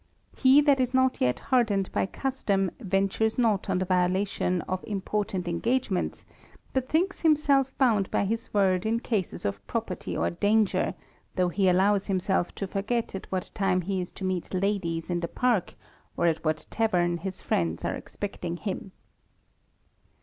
He that is not yet hardened by custom, ventures not on the violation of important engagements, but thinks himself bound by his word in cases of property or danger, though he allows himself to forget at what time he is to meet ladies in the Park, or at what tavern his friends are expecting him.